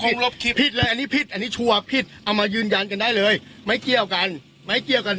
พิษเลยอันนี้พิษอันนี้ชัวร์พิษเอามายืนยันกันได้เลยไม่เกี่ยวกัน